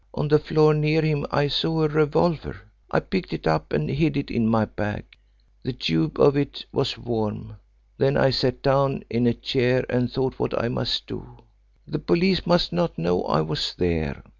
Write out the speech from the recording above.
On the floor near him I saw a revolver. I picked it up and hid it in my bag. The tube of it was warm. Then I sat down in a chair and thought what I must do. The police must not know I was there.